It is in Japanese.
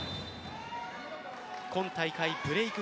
今大会ブレーク